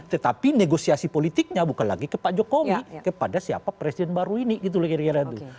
tetapi negosiasi politiknya bukan lagi ke pak jokowi kepada siapa presiden baru ini gitu loh kira kira itu